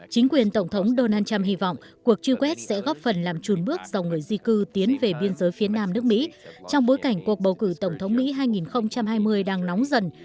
chính quyền tổng thống donald trump hy vọng cuộc truy quét sẽ góp phần làm trùn bước dòng người di cư tiến về biên giới phía nam nước mỹ trong bối cảnh cuộc bầu cử tổng thống mỹ hai nghìn hai mươi đang nóng dần